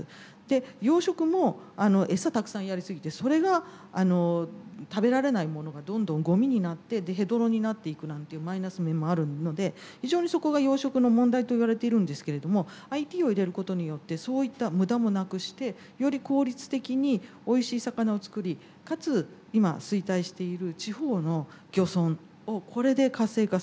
養殖も餌たくさんやり過ぎてそれが食べられないものがどんどんゴミになってヘドロになっていくなんていうマイナス面もあるので非常にそこが養殖の問題といわれているんですけれどもＩＴを入れることによってそういった無駄もなくしてより効率的においしい魚を作りかつ今衰退している地方の漁村をこれで活性化する。